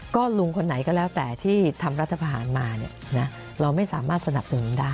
ก็ลุงคนไหนก็แล้วแต่ที่ทำรัฐพาหารมาเราไม่สามารถสนับสนุนได้